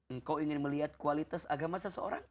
engkau ingin melihat kualitas agama seseorang